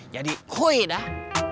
jadi hui dah